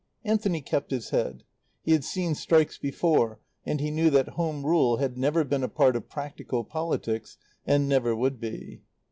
Anthony kept his head. He had seen strikes before, and he knew that Home Rule had never been a part of practical politics and never would be.